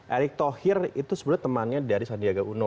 erick thohir itu sebenarnya temannya dari sandiaga uno